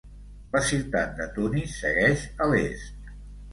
La ciutat de Tunis segueix a l'est.